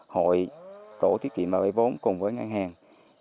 hội tổ tiết kiệm vây vốn cùng với ngân hàng